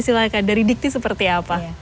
silahkan dari dikti seperti apa